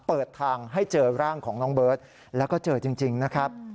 เปิดทางให้เจอร่างของน้องเบิร์ตแล้วก็เจอจริงนะครับ